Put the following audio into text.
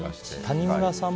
谷村さん